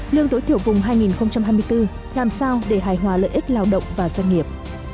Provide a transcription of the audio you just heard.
lương tối thiểu vùng hai nghìn hai mươi bốn làm sao để hài hòa lợi ích lao động và doanh nghiệp